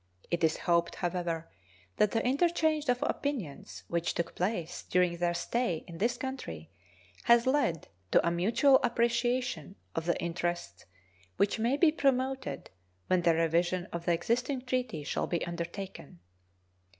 It is hoped, however, that the interchange of opinions which took place during their stay in this country has led to a mutual appreciation of the interests which may be promoted when the revision of the existing treaty shall be undertaken.